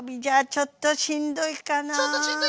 ちょっとしんどいか！